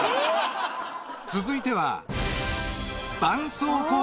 ［続いては］